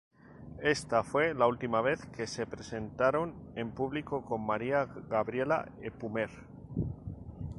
Esta fue la última vez que se presentaron en público con María Gabriela Epumer.